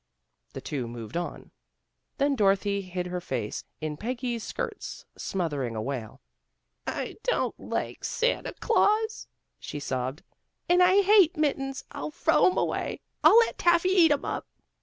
" The two moved on. Then Dorothy hid her face in Peggy's skirts, smothering a wail. " I don't like Santa Glaus," she sobbed. "And I hate mittens. I'll frow 'em away. I'll let Taffy eat 'em up."